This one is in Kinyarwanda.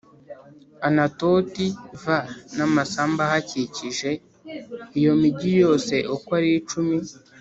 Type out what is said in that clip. Anatoti v n amasambu ahakikije Iyo migi yose uko ari cumi